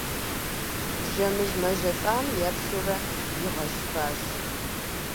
Жэмыжь мэжэлӏам еплъурэ игъэшхащ.